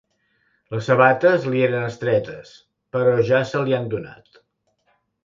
Les sabates li eren estretes, però ja se li han donat.